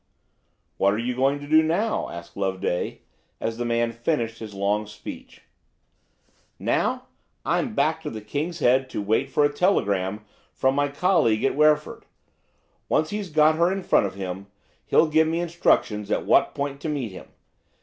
"What are you going to do now?" asked Loveday, as the man finished his long speech. "Now! I'm back to the "King's Head" to wait for a telegram from my colleague at Wreford. Once he's got her in front of him he'll give me instructions at what point to meet him.